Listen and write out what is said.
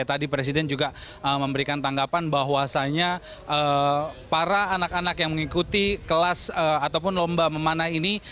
tadi presiden juga memberikan tanggapan bahwasannya para anak anak yang mengikuti kelas ataupun lomba memanah ini